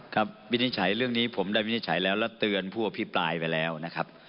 วินิจฉัยเรื่องนี้ผมได้วินิจฉัยแล้วแล้วเตือนผู้อภิปรายไปแล้วนะครับ